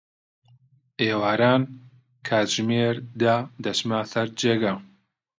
ئێواران، کاتژمێر دە دەچمە سەر جێگا.